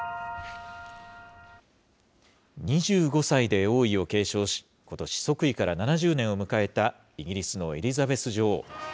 ２５歳で王位を継承し、ことし即位から７０年を迎えたイギリスのエリザベス女王。